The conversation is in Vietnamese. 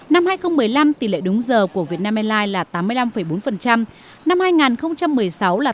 năm hai nghìn một mươi năm tỷ lệ đúng giờ của việt nam airlines là tám mươi năm bốn